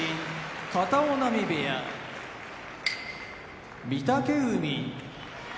片男波部屋御嶽海